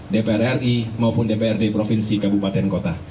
dpr ri maupun dprd provinsi kabupaten kota